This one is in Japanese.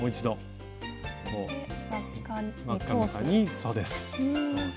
そうです。